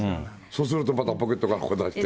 そうするとまたポケットからこう出して。